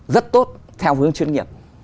rất tốt theo hướng chuyên nghiệp